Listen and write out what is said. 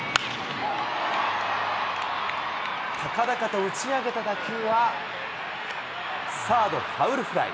高々と打ち上げた打球は、サードファウルフライ。